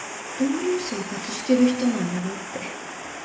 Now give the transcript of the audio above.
どういう生活してる人なんやろって。